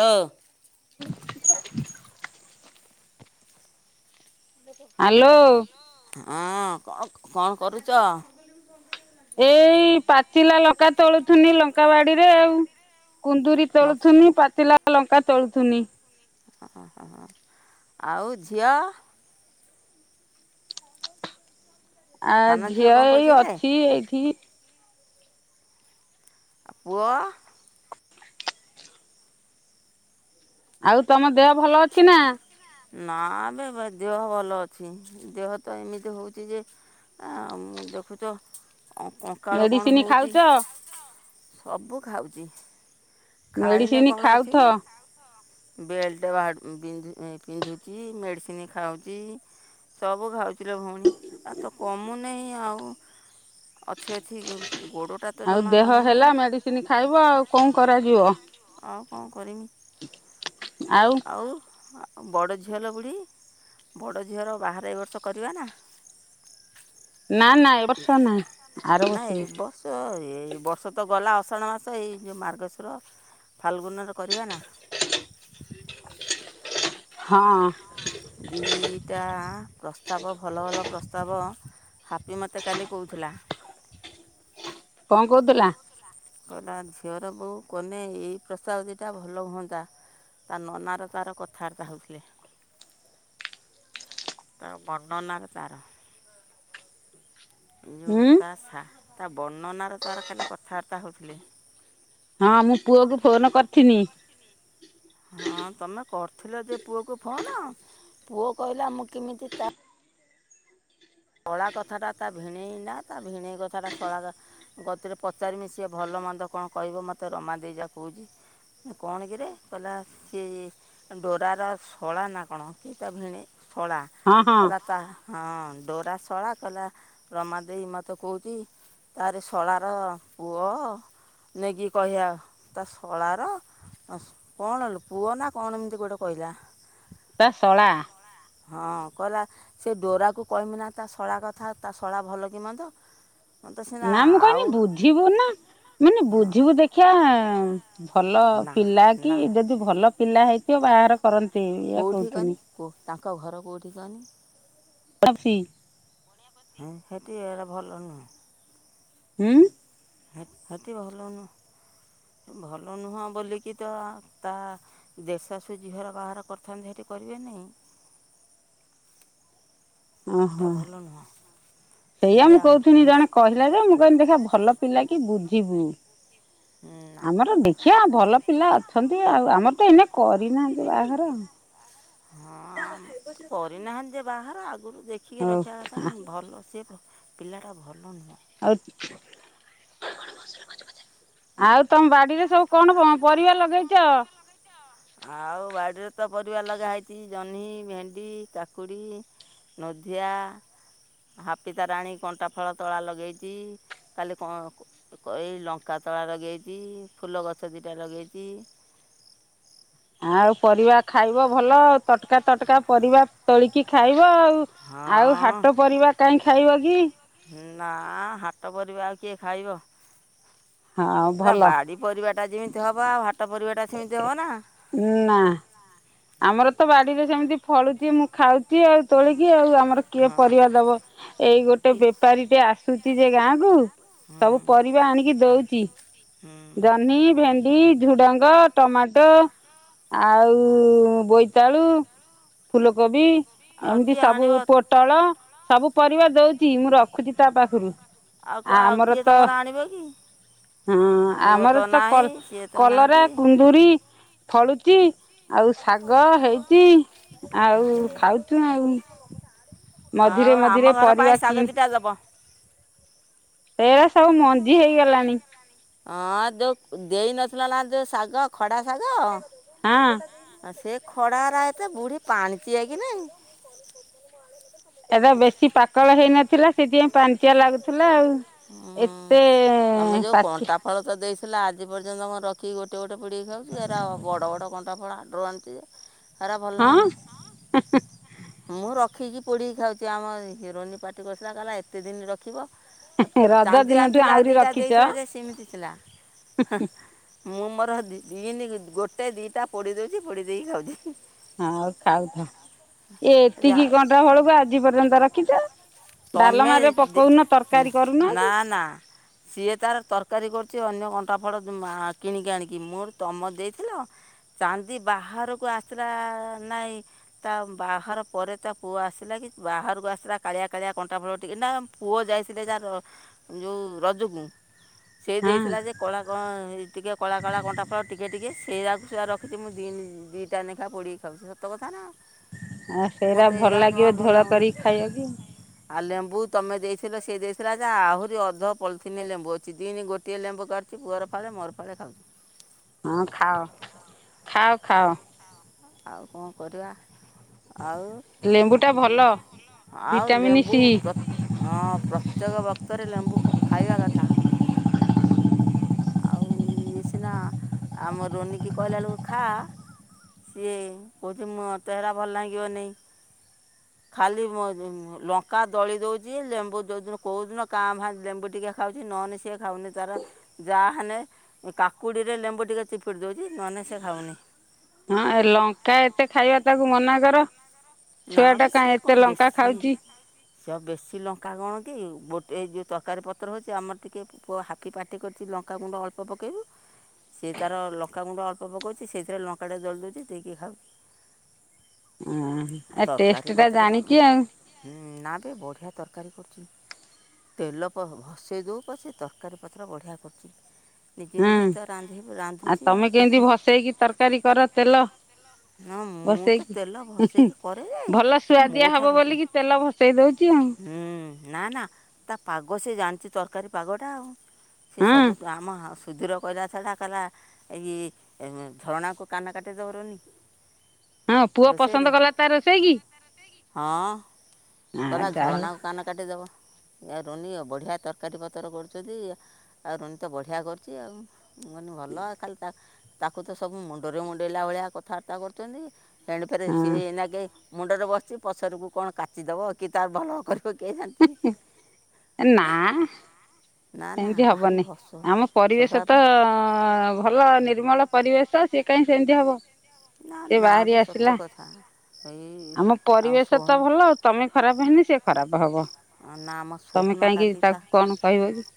ଲୋ hello. ହଁ କଣ କଣ କରୁଚ? ଏଇ ପାଚିଲା ଲଙ୍କା ତୋଳୁଥନି ଲଙ୍କା ବାଡିରେ ଆଉ କୁନ୍ଦୁରି ତୋଳୁଥୁନି ପାଚିଲା ଲଙ୍କା ତୋଳୁଥୁନି। ଓହୋ ଆଉ ଝିଅ। ଆ ସାନ ଝିଅ କଣ ଏଇ କରୁଛି କିରେ? ଅଛି ଏଇଠି। ଆ ପୁଅ। ଆଉ ତମ ଦେହ ଭଲ ଅଛି ନା? ନା ଏବେ ଦେହ ଭଲ ଅଛି ଦେହ ତ ଏମିତି ହଉଛି ଯେ ଉ ମୁଁ ଦେଖୁଛ କଙ୍କାଳ କଣ ମେଡିସିନ ହଉଚି। ଖାଉଛ ସବୁ ଖାଉଛି ଖାଇନେ ମେଡିସିନ କଣ ଖାଉଥ ଅଛିଲୋ। ବେଲ୍ଟ ବିନ୍ଧ ପିନ୍ଧୁଛି ମେଡ଼ିସିନି ଖାଉଚି। ସବୁ ଖାଉଥିଲେ ଭଉଣୀ ଆ ତ କମୁନାହିଁ ଆଉ। ଅଛି ଅଛି ଗୋଡ଼ଟା ତ ଜମା କମୁନାହିଁ। କିିନି ଖାଇବ ଆଉ କଣ କରାଯିବ। ଆଉ କଣ କରିମି? ଆଉ ଆଉ ବଡ଼ ଝିଅଲ ବୁଢ଼ି ବଡ଼ ଝିଅର ବାହାରେ ଏ ବର୍ଷ କରିବା ନା। ନା ନା ଏ ବର୍ଷ ନାହିଁ। ଆର ନାଇଁ ବର୍ଷକୁ ବର୍ଷ ଏଇ ବର୍ଷ ତ ଗଲା ଅଷାଣ ମାସ ଏଇ ଯେଉଁ ମାର୍ଗସିର। ଫାଲଗୁନର କରିବା ନା। ହଁ। ଦିଟା ପ୍ରସ୍ତାବ ଭଲ ଭଲ ପ୍ରସ୍ତାବ। ହାପି ମତେ କାଲି କହୁଥିଲା। କଣ କହୁଥିଲା। କ ନା ଝିଅର ବୋଉ କହନେ ଏଇ ପ୍ରସାବ ଦିଟା ଭଲ ହୁଅନ୍ତା। ତା ନନାର ତାର କଥାବାର୍ତ୍ତା ହେଉଥିଲେ। ତାର ବର୍ଣ୍ଣନାର ତାର। ଯୋଉ ହୁଁ ତା ସା ତା ବର୍ଣ୍ଣନାର ତାର କାଲି କଥାବାର୍ତ୍ତା ହଉଥିଲେ। ହଁ ମୁଁ ପୁଅ କ ଫୋନ କରିଥିନି। ହଁ ତମେ କରିଥିଲ ଯେ ପୁଅକୁ ଫୋନ ପୁଅ କହିଲା ମୁଁ କେମିତି ତା ଶଳା କଥା ଟା ତା ଭିଣେଇ ନା ତା ଭିଣେଇ କଥାଟା ଶଳା ଗତିରେ ପଚାରିମିଶି ଭଲ ମନ୍ଦ କଣ କହିବ ମୋତେ ରମା ଦେଇ ଯା କହୁଛି। କଣ କିରେ କହିଲା ସିଏ ଡୋରାର ଶଳା ନା କଣ କି ତା ଭିଣେଇ ଶଳା ହଁ ହଁ କହିଲା ତା ହଁ। ଡୋରା ଶଳା କହିଲା ରମା ଦେଇ ମୋତେ କହୁଛି ତାର ଶଳାର ପୁଅ ନେଇକି କହିବା ତା ଶଳାର କଣଲୁ ପୁଅ ନା କଣ ଏମିତି ଗୋଟେ କହିଲା? ତା ଶଳା। ହଁ କହିଲା ସେ ଡୋରାକୁ କହମି ନା ତା ଶଳା କଥା ତା ଶଳା ଭଲ କି ମନ୍ଦ। ମତେ ସିନା ନା ମୁଁ କହିଲି ଆଉ ବୁଝିବୁ ନା ମାନେ ବୁଝିବୁ ଦେଖ ଖିଆ ଭଲ ନା ପିଲା କି ନା ଯଦି ଭଲ ପିଲା ହେଇଥିବ ବାହାର କରନ୍ତି। ଏଇଆ କେଉଠି କହୁଥିନି କହନି ତାଙ୍କ ଘର କେଉଠି କହନି? ବାମ୍ପି ହୁଁ ସେଟି ଏରା ଭଲ ନୁହଁ। ହୁଁ ସେଠି ଭଲ ନୁହଁ, ଭଲ ନୁହଁ ବୋଲିକି ତ ତା ଦେଢ ଶାଶୁଝିଅର ବାହାଘର କରିଥାନ୍ତି ସେଠି କରିବେ ନି। ହେଟା ଓହୋ ଭଲ ନୁହଁ ସେଇଆ ମୁଁ କହୁଥିନି ଜଣେ କହ ଥିଲା ଯେ ମୁଁ କହିନି ଦେଖିଅ ଭଲ ପିଲା କି ବୁଝିବୁ ନା ଆମର ଦେ ଖିଆ ଭଲ ପିଲା ଅଛନ୍ତି ଆଉ ଆମର ତ ଏଇନେ କରିନାହାନ୍ତି ବାହାଘର। ହଁ ଆମର ତ କରିନାହାନ୍ତି ଯେ ବାହାଘର ଆଗରୁ ଦେଖିକି ରଖିବା କ ହଉ ଥା ଭଲ ସେ ପିଲାଟା ଭଲ ନୁହଁ। ଆଉ [inaudible] ଆଉ ତମ ବାଡିରେ ସବୁ କଣ ପଁ ପରିବା ଲଗେଇଚ? ଆଉ ବାଡ଼ିରେ ତ ପରିବା ଲଗାହେଇଚି ଜହ୍ନି, ଭେଣ୍ଡି, କାକୁଡ଼ି। ନୋଧିଆ। ହାପି ତାର ଆଣିକି କଣ୍ଟା ଫଳ ତଳା ଲଗେଇଚି, କାଲି କଣ କ ଏଇ ଲଙ୍କାତଳା ଲଗେଇଚି, ଫୁଲ ଗଛ ଦିଇଟା ଲଗେଇଚି। ଆଉ ପରିବା ଖାଇବ ଭଲ ତଟକା ତଟକା ପରିବା ତୋଳିକି ଖାଇବ ଆଉ। ଆଉ ହଁ ହାଟ ପରିବା କାଇଁ ଖାଇବ କି? ନାଁ ହାଟ ପରିବା ଆଉ କିଏ ଖାଇବ? ହଁ ଏରା ଭଲ ବାଡି ପରିବା ଟା ଯେମିତି ହବ ଆଉ ହାଟ ପରିବା ଟା ସେମିତି ହବ ନା? ନାଁ। ଆମର ତ ବାଡିରେ ସେମିତି ଫଳୁଚି ମୁଁ ଖାଉଚି ଆଉ ତୋଳିକି ଆଉ ଆମର କିଏ ହଁ ପରିବା ଦବ? ଏଇ ଗୋଟେ କି ବେପାରୀ ଟେ ଆସୁଚି ଯେ ଗାଁକୁୁ ସବୁ ହୁଁ ପରିବା ଆଣିକି ଦଉଚି। ହୁଁ ଜହ୍ନି, ଭେ ଣ୍ଡି, ଝୁଡ଼ଙ୍ଗ, ଟମାଟୋ ଆଉ ଉଁ ବୋଇତାଳୁ, ଫୁଲକୋବି ଆଉ ଏମିତି କିଏ ସବୁ ଆଣିବ ପୋ ଟଳ ସବୁ ପରିବା ଦଉଚି ମୁଁ ରଖୁଚି ତା ପାଖରୁ। ଆଉ କ-ଆଉ ଆମର କିଏ ତ ତୋମର ଆଣିବ କି? ହଁ ପୁଅ ଆମର ତ ନାହିଁ କର୍ ସିଏ ତ କଲରା, ନାହାନ୍ତି କୁନ୍ଦୁରି ଫଳୁଚି, ଆଉ ଶାଗ ହେଇଚି ଆଉ ଖାଉଚୁ ଆଉ। ମଝିରେ ଆଉ ମଝିରେ ଆମ ଘର ପରିବା ପାଇଁ ଶାଗ କିଣି ଦିଟା ଦବ। ଏଇରା ସବୁ ମଞ୍ଜି ହେଇଗଲାଣି। ଅଁ, ଯୋଉ ଦେଇନଥିଲା ନା ଯୋଉ ଶାଗ ଖଡ଼ା ଶାଗ। ହଁ ଆଉ ସେ ଖଡ଼ାରା ଏତେ ବୁଢ଼ୀ ପାଣିଚିଆ କି ନାହିଁ? ଏଟା ବେଶୀ ପାକଳ ହେଇନଥିଲା ସେଥିପାଇଁ ପାଣିଚିଆ ଲାଗୁଥିଲା ଆଉ। ଏତେ ତମେ ଯେଉଁ ପାକି କଣ୍ଟା ଫଳ ତ ଦେଇଥିଲା ଆଜି ପର୍ଯ୍ୟନ୍ତ ମୁଁ ରଖିକି ଗୋଟେ ଗୋଟେ ପୁଡ଼ିିକ ଖାଉଚି। ଏରା ବଡ଼ ବଡ଼ କଣ୍ଟା ଫଳା ହାଟ ରୁ ଆଣିଚି ଯେ। ହେରା ଭଲ ହଁ ଲାଗୁନି। ମୁଁ ରଖିକି ପୁଡ଼ିକି ଖାଉଚି, ଆମ ହିରୋଇନ ପାଟି କରୁଥିଲା କହିଲା ଏତେ ଦିନ ରଖିବ। ଆପ୍ ଓ ରଜ ଚାନ୍ଦି ଦିନଠୁ ଆଣିଥିଲା ଆହୁରି ଦିଇଟା ରଖିଛ ଦେଇଥିଲା ଯେ ସେମିତି ଥିଲା, ହଁ। ମୁଁ ମୋର ଦି- ଦିନି ଗୋଟେ ଦିଇଟା ପୋଡ଼ି ଦଉଚି ପୋଡ଼ି ଦେଇକି ଖାଉଛି। ହଁ ଆଉ ଖାଉଥା, ଏତିକି କଣ୍ଟା ଫଳକୁ ଆଜି ପର୍ଯ୍ୟନ୍ତ ରଖିଚ? ତୋମେ ଦେ ଉଁ, ନା, କି ନା ସିଏ ତାର ତରକାରୀ କରୁଚି ଅନ୍ୟ କଣ୍ଟା ଫଳ ଯୁମ୍ ଆ, କିଣିକି ଆଣିକି, ମୋର ତୋମର ଦେଇଥିଲ। ଚାନ୍ଦି ବାହାରକୁ ଆସିଲା ନାଇ। ତା ବାହାର ପରେ ତା ପୁଅ ଆସିଲା କି ବାହାରକୁ ଆସିଲା କାଳିଆ କାଳିଆ କଣ୍ଟା ଫଳ ଟିକେ ନା ପୁଅ ଯାଇଥିଲେ ଯାର ଯୋଉ ରଜକୁ। ସେଇ ଦେଇଥିଲା ଯେ ହଁ କଳା କଁ ଟିକେ କଳା କଳା କଣ୍ଟା ଫଳ ଟିକିଏ ଟିକେ ସେରାକୁ ସେଇଆ ରଖିଚି, ମୁଁ ଦିନି ଦିଇଟା ନେଖା ପୋଡ଼ି ଖାଉଚି ସତ କଥା ନା। ଆଉ ସେଇରା ମୋତେ ଭଲ ଲାଗିବ ଝୋଳ କରିକି ଖାଇବାକୁ। ଆ ଲେମ୍ବୁ ତମେ ଦେଇଥିଲ ସେ ଦେଇଥିଲା ଯେ ଆହୁରି ଅଧ ପଲିଥିିନିଏ ଲେମ୍ବୁ ଅଛି। ଦିନି ଗୋଟିଏ ଲେମ୍ବୁ କାଟ ଚି ପୁଅର ଫାଳେ ମୋର ଫାଳେ ଖାଉଚୁ। ହଁ ଖାଅ, ଖାଅ ଖାଅ। ଆଉ କଣ କରିବା ଆଉ? ଲେମ୍ବୁଟା ଭଲ ଆଉ ଭିଟାମିନ୍ ଲେମ୍ବୁ ସି ପ୍ର ହଁ ପ୍ରତ୍ୟେକ ବକ୍ତରେ ଲେମ୍ବୁ ଖ- ଖାଇବା କଥା। ଆଉ ଇଏ ସିନା ଆମ ରୋନିକି କହିଲା ବେଳକୁ ଖା ସିଏ କହୁଛୁ ମୋତେ ସେଟା ଭଲ ଲାଗିବନେଇ। ଖାଲି ମ-ଦେ- ଲଙ୍କା ଦଳି ଦଉଚି, ଲେମ୍ବୁ ଯୋଉଦିନ କୋଉଦିନ କାଁ ଭା ଲେମ୍ବୁ ଟିକେ ଖାଉଛି ନନେ ସିଏ ଖାଉନି ତାର। ଯା ହେନେ ଏ କାକୁଡ଼ିରେ ଲେମ୍ବୁ ଟିକେ ଚିପିଡ଼ି ଦଉଚି ନନେ ସେ ଖାଉନି। ହଁ ଏ ଲଙ୍କା ଏତେ ଖାଇବା ତାକୁ ମନା କର। ନା ଛୁଆ ଟା କାଇଁ ଏତେ ଲଙ୍କା ଖାଉଛି? ଚ-ବେଶୀ ଲଙ୍କା କଣ କି ଗୋ ଏ ଯୋଉ ତରକାରୀ ପତ୍ର ହଉଛି ଆମର ଟିକେ ପୁଅ ହା କିି ପାଟି କରିଚି ଲଙ୍କାଗୁଣ୍ଡ ଅଳ୍ପ ପକେଇବୁ। ସିଏ ତାର ଲଙ୍କାଗୁଣ୍ଡ ଅଳ୍ପ ପକଉଛି, ସେଇଥିରେ ଲଙ୍କାଟେ ଦଳି ଦଉଚି ଦେଇକି ଖାଉଚି। ଆ ଟେଷ୍ଟ ଟା ଜାଣିଚି ଆଉ। ହୁଁ, ନାବେ ବଢ଼ିଆ ତରକାରୀ କରୁଛି। ତେଲ କହ ଭସେଇ ଦଉ ପଛେ ତରକାରୀ ପତ୍ର ବଢ଼ିଆ କରୁଛି। ନିଜେ ହୁଁ, ନିଜେ ତ ରାନ୍ଧି ଆ, ରାନ୍ଧୁଛି ଆଉ ତୋମେ ତାକୁ କେମିତି ଭସେଇକି ତରକାରୀ କର ତେଲ। ନା ମୁଁ ତ ଭସେଇକି ତେଲ ଭସେଇକି କରେ ଯେ ଭଲ ମୋ ସୁଆଦିଆ ହବ ବୋଲିକି ତେଲ ଭସେଇ ଦଉଛି ଆଉ। ଉଁ ନା ନା ତା ପାଗ ସେ ଜାଣିଛି ତରକାରୀ ପାଗଟା ଆଉ। ସେ ହଁ ସବୁ ଆମ ସୁଧିର ପଇରା ଛଡ଼ା କଲା ଏଇ ଝରଣାକୁ କାନ କାଟି ଦୋରୁନି। ହଁ ପୁଅ ପସନ୍ଦ କଲା ତା ରୋଷେଇ କି। ହଁ ଆ କହିଲା ଯା ହଉ ଝରଣାକୁ କାନ କାଟିଦବ। ଆ ରୋନି ବଢ଼ିଆ ତରକାରୀ ପତ୍ର କରୁଛନ୍ତି। ଆଉ ରୋନି ତ ବଢ଼ିଆ କରୁଛି ଆଉ ମୁଁ କହିନି ଭଲ ଖାଲି ତା ତାକୁ ତ ସବୁ ମୁଣ୍ଡରେ ମୁଣ୍ଡେଇଲା ଭଳିଆ କଥାବାର୍ତ୍ତା କରୁଛନ୍ତି। ଏଣେ ଫେରେ ସିଏ ହଁ ଏଇନାକେ ମୁଣ୍ଡରେ ବସିଛି ପଛରକୁ କଣ କାଚିଦେବ କି ତାର ଭଲ କରିବ କେଯା ନା। ନା ନା ସେମିତି ଭାରି ହବନି ହସ ଆମ ପରିବେଶ ସଦା ତ ଭଲ ନି ନିର୍ମଳ ପରିବେଶ ସିଏ କାଇଁ ସେମିତି ହବ। ନା ସେ ନା ବାହାରି ବି ସତ ଆସିଲା କଥା ଏଇ ଆମ ପରିବେଶ ତ ଭଲ। ତମେ ଖରାପ ହେନେ ସେ ଖରାପ ହବ, ନା ଆମ ତମେ କାହିଁକି ତାକୁ କଣ କହିବ କି?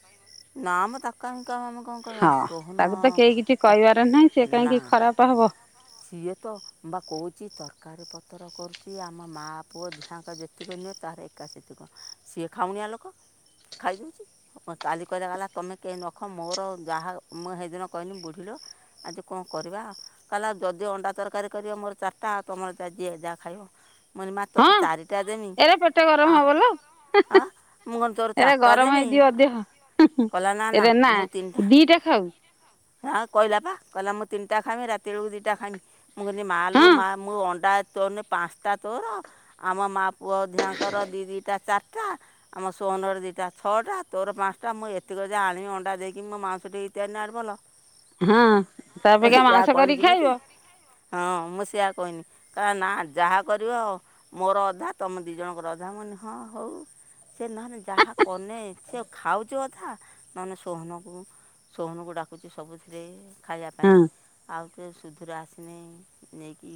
ନାମ ତାକୁ କାଇଁ କାମମ ହଁ ତାକୁ ତ କେହି କିଛି କହିବାର ନାହିଁ ସେ କାହିଁକି ନା ଖରାପ ହବ। ସିଏ ତ ବା କହୁଛି ତରକାରୀ ପତ୍ର କରୁଛି ଆମ ମାଆ ପୁଅ ଦିଆଁଙ୍କ ଯେ ସେତିକ ନିଅ ତାର ଏକା ସେତିକ ସିଏ ଖାଉଣିଆ ଲୋକ ଖାଇଦଉଚି। କାଲି କହିଲା କଲା ତମେ କେହି ନଖ ମୋର ଯାହା ମୁଁ ହେଦିନ କହିନି ବୁଢ଼ିଲୋ ଆଜି କଁ କରିବା କଲା ଯଦି ଅଣ୍ଡା ତରକାରୀ କରିବ ମୋର ଚାରିଟା ଆ ତମର ଜିିଏ ଯାହା ଖାଇବ। ମୁଁ କହିଲି ମା ତତେ ହଁ ଚାରିଟା ଦେମୀ ଏରା ପେଟ ଗରମ ଆ ହବ ଲୋ ଆ ମୁ କଣ ତୋର ଏରା ଚାରିଟା ଗରମ ଦେନି ହେଇଯିବ ଦେହ କହିଲା ନା ନା ମୁଁ ତିନିଟା ଦିଟା ଖାଉ ହଁ କହିଲା ପା କହିଲା ମୁଁ ତିନିଟା ଖାଇମି ରାତି ବେଳକୁ ଦିଇଟା ଖାଇମି। ମୁଁ କହିଲି ମା ଲୋ ହଁ ମା ମୁଁ ଅଣ୍ଡା ତୋ ପାଞ୍ଚଟା ତୋର? ଆମ ମା ପୁଅ ଦିହାଆଙ୍କର ଦି ଦି ଟା ଚାରିଟା। ଆମ ସୋହନର ଦିଇଟା ଛଅଟା ତୋର ପାଞ୍ଚଟା ମୁଁ ଏତିକି ଯା ଆଣିବି ଅଣ୍ଡା ଦେଇକି ମୋ ମାଉସ ଟିକେ ଘିତି ଆଣିଲେ ଆହୁରି ଭଲ। ହଁ, ତା ଅପେକ୍ଷା ମାଂସ କହିନି କରିକି ଯେମିତି ଖାଇବ। ହଁ, ମୁଁ ସେଆ କହିନି ନା ଯାହା କରିବ ମୋର ଅଧା ତମ ଦି ଜଣଙ୍କର ଅଧା, ମୁ କହିନି ହଁ ହଉ ସେ ନହେଲେ ଯାହା କନେ ସେ ଖାଉଛୁ ଅଧା, ନହେଲେ ସୋହନକୁ ସୋହନକୁ ଡାକୁଛି ସବୁଥିରେ। ଖାଇବା ପାଇଁ ହଁ ଆଉ ସେ ସୁଧୁର ଆସିନି ନେଇକି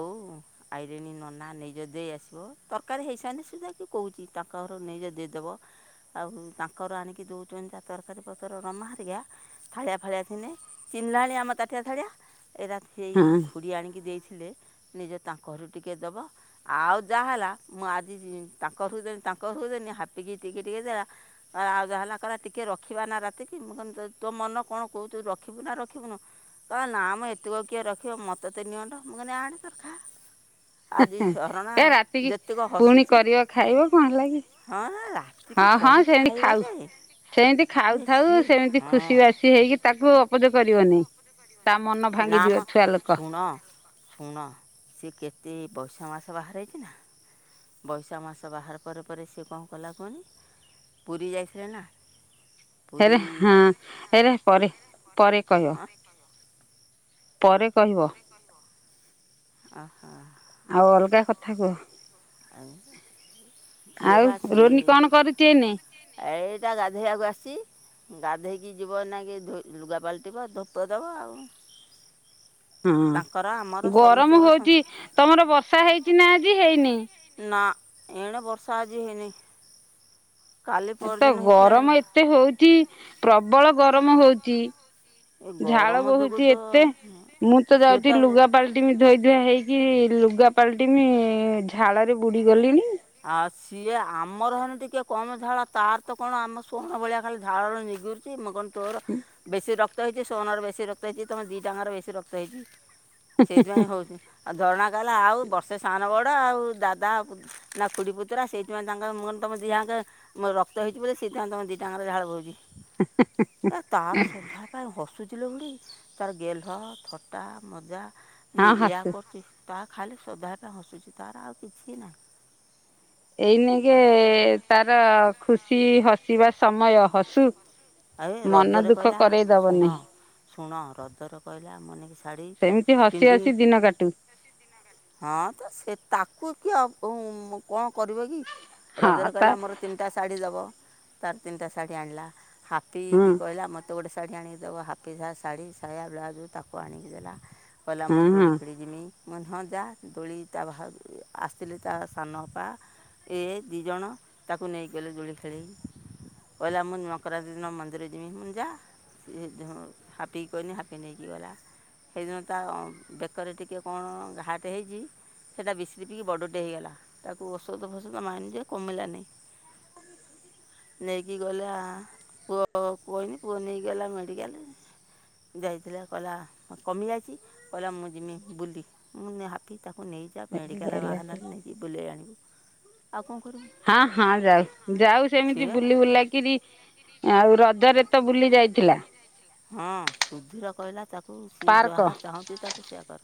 ବୋଉ। ଆଇଲେଣି ନନା ନେଇଜ ଦେଇ ଆସିବ ତରକାରୀ ହେଇସାଇନେ ସୁଧା ବି କହୁଛି ତାଙ୍କ ଘର ନେଇଜା ଦେଇଦେବ। ଆଉ ତାଙ୍କର ଆଣିକି ଦୋଉଛନ୍ତି ଯାହା ତରକାରୀ ପତର ରମା ଥାଳିଆ ଫାଳିଆ ଥିନେ ଚିହ୍ନିଲାଣି ଆମ ତାଟିଆ ଥାଳିଆ ଏ ସେଇ ହଁ ଖୁଡ଼ି ଆଣିକି ଦେଇଥିଲେ ନେଇଯ ତାଙ୍କ ଘରୁ ଟିକେ ଦବ। ଆଉ ଯାହା ହେଲା ମୁଁ ଆଜି ତାଙ୍କ ଘରୁ ତାଙ୍କ ଘରକୁ ଦେନି ହାପି କି ଟିକେ ଟିକେ ଦେଲା ଆ ଆଉ ଯାହା ହେଲା ଟିକେ ରଖିବା ନା ରାତିକି ମୁଁ ତୋ ମନ କଣ କହୁଛି ତୁ ରଖିବୁ ନା ରଖିବୁନୁ? କ ନା ମ ଏତକ କିଏ ରଖିବ ମତେ ତ ନିଅଣ୍ଟ ମୁଁ କହିନି ଆଣେ ତୋର ଖା। ଆଜି ଝରଣା ଏ ରାତିକି ଯେତିକ ପୁଣି ହସିଛି। କରିବ ଖାଇବ କଣ ହେଲା କି ହଁ ରାତି କିି କରିିକି ଖାଇବା ଯେ ସେମତି ଯେ ଖାଉଥାଉ ସିଏ ସେମିତି ହଁ ଖୁସି ବାସି ହେଇକି ତାକୁ ଅପୋଜ କରିବନେଇ। ତା ମନ ନା ଭାଙ୍ଗିଯିବ ମ ଛୁଆ ଲୋକ। ଶୁଣ ଶୁଣ ସିଏ କେତେ ବୈଶାଖ ମାସ ବାହାରେ ରହିଚି ନା। ବୈଶାଖ ମାସ ବାହାର ପରେ ପରେ ସେ କଣ କଲା କୁହନି ପୁରୀ ଯାଇଥିଲେ ନା ଏରେ ପୁରୀ ହଁ ଏରା ପରେ ପରେ କହିବ। ପରେ କହିବ। ଆହା। ଆଉ ଅଲଗା କଥା କୁହ। ଆଉ ରୋନି କଣ କରୁଚି ଏଇନେ? ଆ ଏଇପା ଗାଧେଇବାକୁ ଆସଚି। ଗାଧେଇକି ଯିବ ଏଇନାକେ ଧୂ ଲୁଗା ପାଲଟିବ ଧୂପ ଦବ ଆଉ। ତାଙ୍କର ଆମର ହୁଁ ଗରମ ହୋଉଚି ସମସ୍ତଙ୍କର ତମର ବର୍ଷା ହେଇଚି ନା ଆଜି ହେଇନି? ନା ଏଣେ ବର୍ଷା ଆଜି ହେଇନି କାଲି ଏ ତ ପରଦିନ ହେଇଥିଲା ଗରମ ଏତେ ହୋଉଚି ପ୍ରବଳ ଗରମ ହୋଉଚି। ଏ ଝାଳ ଗରମ ଯୋଗୁଁ ବୋହୁଚି ତ ଏତେ ମୁଁ ତ ଯାଉଚି ଲୁଗା ପାଲ ଟିମି ଧୋଇ ଧୁଆ ହେଇକି ଲୁଗା ପାଲଟିମି ଝାଳରେ ବୁଡି ଗଲିଣି। ଆଉ ସିଏ ଆମର ହେନେ ଟିକେ କମ ଝାଳ ତାର ତ କଣ ଆମ ସୋହନ ଭଳିଆ ଖାଲି ଝାଳରେ ନିଗୁରୁ ସେ ମୁଁ କହିନ୍ ତୋର ବେଶୀ ରକ୍ତ ହେଇଚି ସୋହନର ବେଶୀ ରକ୍ତ ହେଇଚି ତମ ଦିଇଟା ଆଙ୍କର ବେଶୀ ରକ୍ତ ହେଇଚି। ସେଇଥିପାଇଁ ହୋଉଚି ଆଉ ଝରଣା କହିଲା ଆଉ ବର୍ଷେ ସାନ ବଡ ଆଉ ଦାଦା ପୁ ନା ଖୁଡ଼ି ପୁତୁରା ସେଇଥିପାଇଁ ତାଙ୍କର ମୁଁ କହିନି ତମେ ଦିହାଙ୍କେ ରକ୍ତ ହେଇଚି ବୋଲି ସେଇଥିପାଇଁ ଦିଇଟା ଆଙ୍କର ଝାଳ ବୋହୁଚି। ଆ ତାର ସୋଭା ପାଇଁ ବସ୍ ଚିଲୋ ବୁଢ଼ୀ ତାର ଗେଲହ ଥଟା, ମଜା, ଏ ହଁ ଏଇଆ ହସୁ କରୁଚି। ତା ଖାଲି ଶ୍ରଦ୍ଧାଟା ହସୁଚି ତାର ଆଉ କିଛି ନାହିଁ। ଏଇନାକେ ତାର ଖୁସି ହସିବା ସମୟ ହସୁ। ଆଉ ଏ ମନ ରଜରେ ଦୁଃଖ କହିଲା କରେଇ ଶୁଣ ଦବନି। ଶୁଣ ହ୍ରଦର କହିଲା ଆମ ନେଇକି ସ୍ ସେମତି ହସି ହସି ଦିନ କାଟୁ। ହଁ ତ ସେ ତାକୁ କିଏ ଅପ ଉମ୍ କଣ କରିବ କି? ହଁ ରଜରେ ତା କହିଲା ମୋର ତିନିଟା ଶାଢ଼ୀ ଦବ ତାର ତିନଟା ଶାଢ଼ୀ ଆଣିଲା ହଁ ହାପିକି କହିଲା ମତ୍ ତ ଗୋଟେ ଶାଢ଼ୀ ଆଣିକି ଦବ ହାପି ଯାହା ଶାଢ଼ୀ, ସାୟା, ବ୍ଲାଉଜୁ ତାକୁ ଆଣିକି ଦେଲା। କହିଲା ମୁଁ ହଁ ହଁ ଦୋଳି ଖେଳି ଯିମି। ମଁ କହିନି ହଁ ଯା ଦୋଳି ତା ଭାଉ ଆସିଥିଲେ ତା ସାନ ଅପା ଏ ଦି ଜଣ ତାକୁ ନେଇକି ଗଲେ ଦୋଳି ଖେଳେଇକି କହିଲା ମୁଁ ନୂଆ ଖରାଦିନ ମନ୍ଦିର ଯିମି ମୁଁ କହିନି ଯାଆ ହାପିକି କହିନି ହାପି ନେଇକି ଗଲା। ହେଇଦିନ ତା ବେକରେ ଟିକେ କଣ ଘାଆଟେ ହେଇଚି ସେଇଟା ବେଶିରିପିକି ବଡ଼ଟେ ହେଇଗଲା ତାକୁ ଔଷଧ ଫୋଷଧ ମାଇଲି ଯେ କମିଲାନେଇ। ନେଇକି ଗଲା ପୁଅକୁ କହିନି ପୁଅ ନେଇଗଲା ମେଡିକାଲେ। ଯାଇଥିଲା କହିଲା କମିଯାଇଚି। କହିଲା ମୁଁ ଯିମି ବୁଲି ମୁଁ ନି ହାପି ତାକୁ ନେଇଯାଆ ମେଡ଼ିକାଲ କହିଲା ସେ ବାହାନାରେ ନେଇକି ବୁଲେଇ ଆଣିବୁ। ଆଉ କ'ଣ କରିବୁ ହଁ ହଁ ଯାଉ ଯାଉ ସେମିତି ସିଏ ବୁଲି ବୁଲାକିରି ଆଉ ରଜରେ ତ ବୁଲି ଯାଇଥିଲା। ହଁ ସୁଧୀର କହିଲା ତାକୁ ସିଏ ପାର୍କ ଯାହା ଚାହୁଁଚି ତାକୁ ସେୟା କର